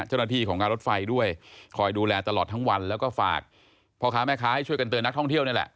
เจ้าหน้าที่ของงานรถไฟด้วยคอยดูแลตลอดทั้งวันแล้วก็ฝากพ่อค้าแม่ค้าให้ช่วยกันเตือนนักท่องเที่ยวนี่แหละ